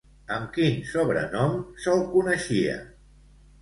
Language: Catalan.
Amb quin sobrenom se'l coneixia?